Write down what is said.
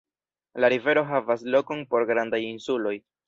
La rivero havas lokon por grandaj insuloj.